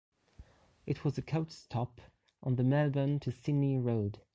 It was a coach stop on the Melbourne to Sydney road.